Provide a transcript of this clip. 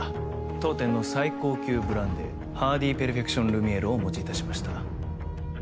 当店の最高級ブランデーハーディーペルフェクションルミエールをお持ちいたしました